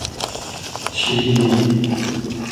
چیمی